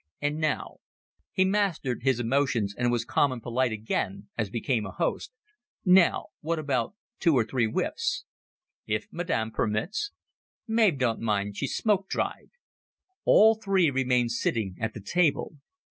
"And now " He mastered his emotions and was calm and polite again, as became a host. "Now, what about two or three whiffs?" "If madam permits." "Mav don't mind. She's smoke dried." All three remained sitting at the table.